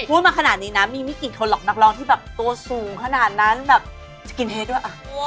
พูดมาขนาดนี้นะมีไม่กี่คนหรอกนักร้องที่แบบตัวสูงขนาดนั้นแบบจะกินเฮดด้วยอ่ะ